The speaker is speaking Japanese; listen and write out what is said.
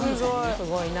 すごいな。